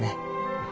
うん。